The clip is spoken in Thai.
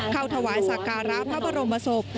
เข้าถวายสาการะพระบรมโมโศพ